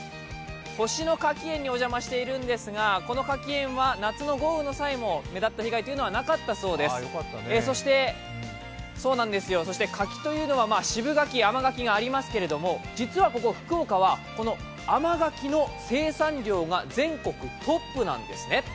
星野柿園にお邪魔しているんですがこちらは夏の豪雨の際にも目立った被害というのはなかったそうです、そして柿というのは渋柿、甘柿ありますけれども実はここ福岡は甘柿の生産量が全国トップなんですね。